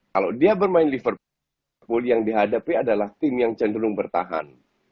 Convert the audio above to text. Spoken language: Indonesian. kalau dia bermain liverpool yang dihadapi adalah tim yang cenderung bertahan